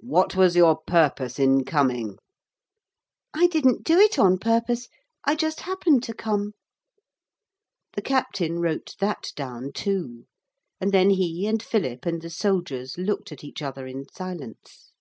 'What was your purpose in coming?' 'I didn't do it on purpose I just happened to come.' The captain wrote that down too. And then he and Philip and the soldiers looked at each other in silence.